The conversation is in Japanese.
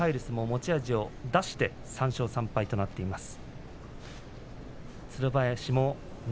持ち味を出して３勝３敗となっています。